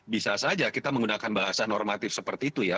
bisa saja kita menggunakan bahasa normatif seperti itu ya